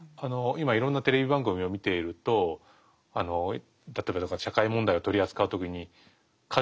今いろんなテレビ番組を見ていると例えば社会問題を取り扱う時に箇条書きにしますよね。